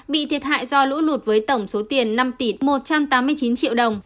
bị thiệt hại do lũ lụt với tổng số tiền năm một trăm tám mươi chín triệu đồng